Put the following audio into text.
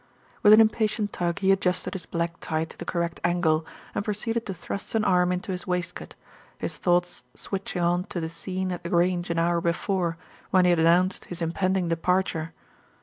With an impatient tug he adjusted his black tie to the correct angle, and proceeded to thrust an arm into his waistcoat, his thoughts switching on to the scene at The Grange an hour before when he had announced his impending departure.